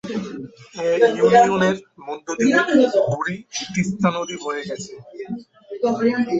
এ ইউনিয়নের মধ্যদিয়ে বুড়ি তিস্তা নদী বয়ে গেছে।